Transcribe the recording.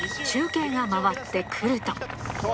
中継が回ってくると。